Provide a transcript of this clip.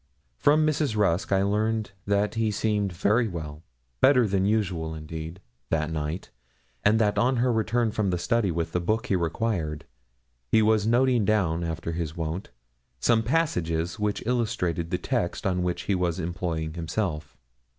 From Mrs. Rusk I learned that he had seemed very well better than usual, indeed that night, and that on her return from the study with the book he required, he was noting down, after his wont, some passages which illustrated the text on which he was employing himself.